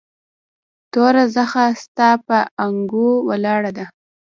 توره زخه ستا پهٔ اننګو ولاړه ده